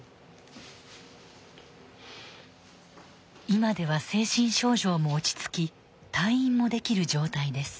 ２０３０４０５０６０今では精神症状も落ち着き退院もできる状態です。